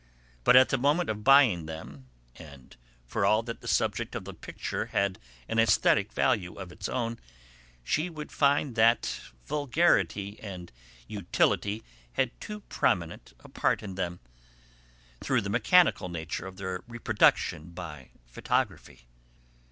But at the moment of buying them, and for all that the subject of the picture had an aesthetic value of its own, she would find that vulgarity and utility had too prominent a part in them, through the mechanical nature of their reproduction by photography.